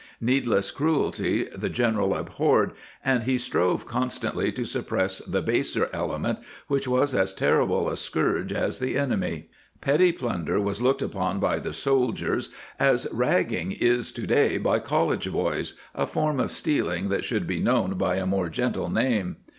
*' Needless cruelty the general abhorred,^ and he strove con stantly to suppress the baser element, which was as terrible a scourge as the enemy.^ Petty plunder was looked upon by the soldiers as " ragging " is to day by college boys, a form of stealing that should be known by a more' gentle name.